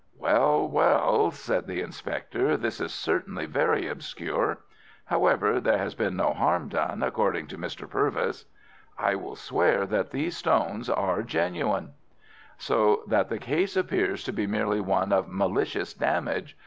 "Well, well," said the inspector, "this is certainly very obscure. However, there has been no harm done, according to Mr. Purvis." "I will swear that those stones are genuine." "So that the case appears to be merely one of malicious damage.